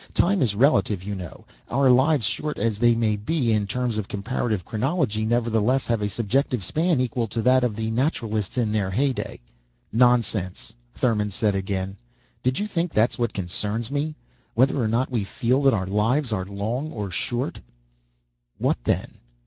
Time is relative, you know. Our lives, short as they may be in terms of comparative chronology, nevertheless have a subjective span equal to that of the Naturalists in their heyday." "Nonsense," Thurman said, again. "Did you think that is what concerns me whether or not we feel that our lives are long or short?" "What then?"